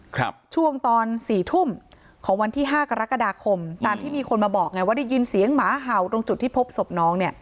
ช่วงตอนสี่ทุ่มของวันที่ห้ากรกฎาคมตามที่มีคนมาบอกไงว่าได้ยินเสียงหมาเห่าตรงจุดที่พบศพน้องเนี้ย